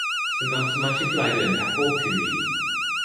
สมัครสมาชิกรายเดือนแอปเปิลทีวี